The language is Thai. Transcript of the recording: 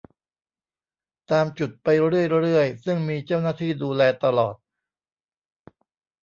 ตามจุดไปเรื่อยเรื่อย ซึ่งมีเจ้าหน้าที่ดูแลตลอด